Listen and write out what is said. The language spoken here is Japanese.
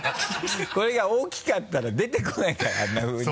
これが大きかったら出てこないからあんなふうに。